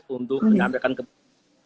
untuk menyebabkan kebenaran